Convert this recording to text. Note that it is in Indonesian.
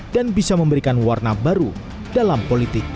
dan bisa memberikan warna baru dalam politiknya